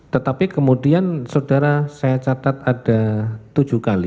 tetapi kemudian saudara saya catat ada tujuh kali